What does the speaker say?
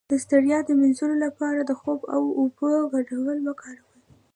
د ستړیا د مینځلو لپاره د خوب او اوبو ګډول وکاروئ